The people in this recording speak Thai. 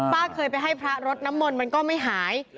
เคยไปให้พระรดน้ำมนต์มันก็ไม่หาย